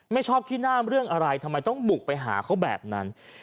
ไม่ชอบขี้หน้าเรื่องอะไรทำไมต้องบุกไปหาเขาแบบนั้น